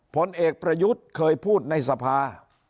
ผลเอกประยุทธ์เคยพูดในสภา